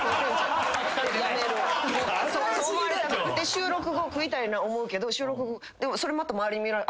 収録後食いたいな思うけどそれまた周りに見られ。